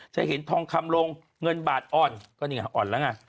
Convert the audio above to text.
เห็นทองคำลงเงินบาทอ่อนก็นี่ไงอ่อนแล้วไง